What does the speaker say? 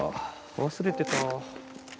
忘れてた。